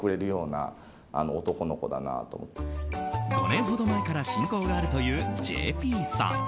５年ほど前から親交があるというＪＰさん。